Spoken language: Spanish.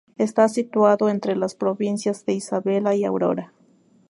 Está situado entre las provincias de Isabela y Aurora.